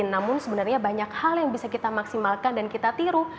namun sebenarnya banyak hal yang bisa kita maksimalkan dan kita tiru